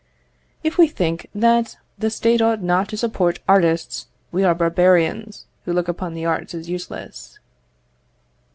If we think that the State ought not to support artists, we are barbarians, who look upon the arts as useless.